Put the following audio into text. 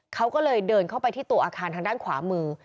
เขาก็เลยเดินเข้าไปที่ตัวอาคารทางด้านขวามือ